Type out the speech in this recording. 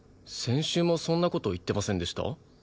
先週もそんな事言ってませんでした？